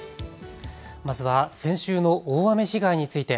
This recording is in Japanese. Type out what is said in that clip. まずは先週の大雨被害について。